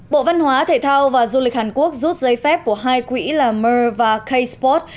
bộ văn hóa thể thao và du lịch hàn quốc rút giấy phép của hai quỹ là mer và kpot